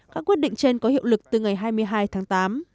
các quyết định trên có hiệu lực từ ngày hai mươi hai tháng tám